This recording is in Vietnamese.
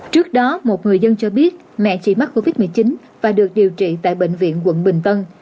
trước đó một người dân cho biết mẹ chỉ mắc covid một mươi chín và được điều trị tại bệnh viện quận bình tân